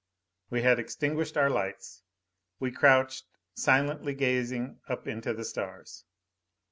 We had extinguished our lights. We crouched, silently gazing up into the stars.